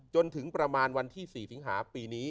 จนถึงประมาณวันที่๔สิงหาปีนี้